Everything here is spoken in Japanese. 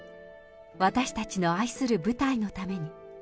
私たちの愛する舞台のために。